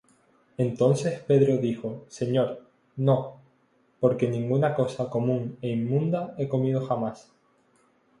Entonces Pedro dijo: Señor, no; porque ninguna cosa común é inmunda he comido jamás.